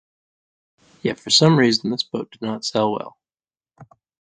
Yet for some reason this boat did not sell well.